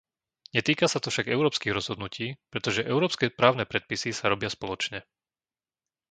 Netýka sa to však európskych rozhodnutí, pretože európske právne predpisy sa robia spoločne.